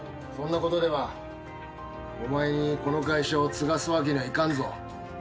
そんなことではお前にこの会社を継がすわけにはいかんぞ。